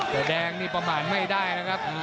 แต่แดงนี่ประมาณไม่ได้นะครับ